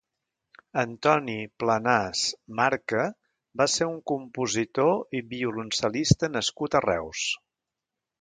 Antoni Planàs Marca va ser un compositor i violoncel·lista nascut a Reus.